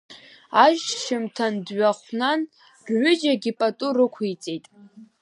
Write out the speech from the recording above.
Ашьжьымҭан дҩыхәнан, рҩыџьагьы пату рықәиҵеит.